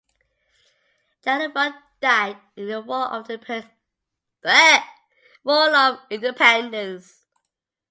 Jenneval died in the war of independence.